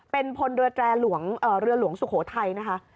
เป็นพลเรือแจร่าเรือหลวงสุโขทัยนะคะ